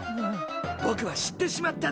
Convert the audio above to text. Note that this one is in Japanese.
ぼくは知ってしまったんだ。